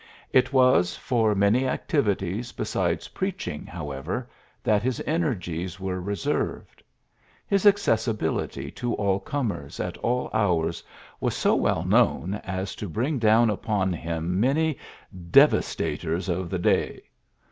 It was for many activities besides preaching, however, that his energies were re served. His accessibility to all comers at all hours was so well known as to bring down upon him many ^^devasta tors of the day.